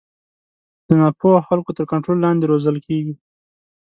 د نا پوه خلکو تر کنټرول لاندې روزل کېږي.